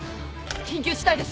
緊急事態です！